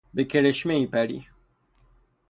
به کرشمهای پری...